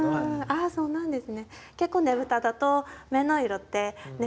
あそうなんですね。